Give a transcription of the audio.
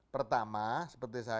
pertama seperti saya